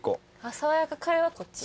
爽やかカレーはこっち。